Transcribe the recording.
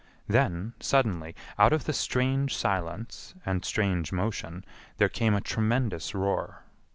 Then, suddenly, out of the strange silence and strange motion there came a tremendous roar.